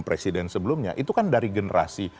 presiden sebelumnya itu kan dari generasi